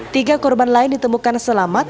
tiga korban lain ditemukan selamat